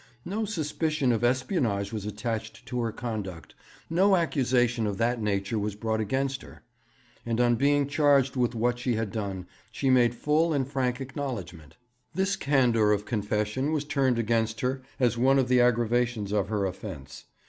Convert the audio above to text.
No suspicion of espionage was attached to her conduct; no accusation of that nature was brought against her; and on being charged with what she had done, she made full and frank acknowledgement. This candour of confession was turned against her as one of the aggravations of her offence.